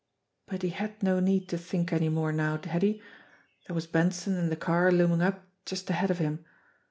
But he had no need to think any more now, had he ? There was Benson and the car looming up just ahead of him.